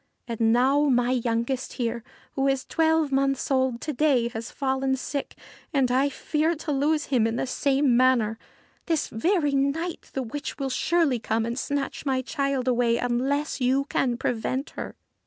And now my youngest here, who is twelve months old to day, has fallen sick, and I fear to lose him in the same manner. This very night the witch will surely come and snatch my child away unless you can prevent her.'